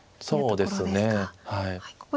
そうですねはい。